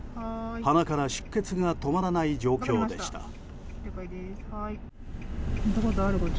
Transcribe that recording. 鼻から出血が止まらない状況でした。